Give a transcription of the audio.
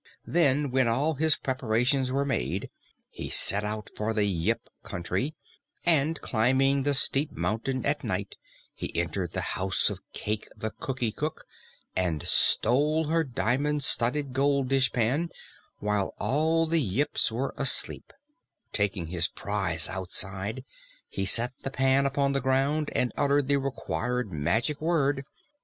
Then, when all his preparations were made, he set out for the Yip Country, and climbing the steep mountain at night he entered the house of Cayke the Cookie Cook and stole her diamond studded gold dishpan while all the Yips were asleep, Taking his prize outside, he set the pan upon the ground and uttered the required magic word.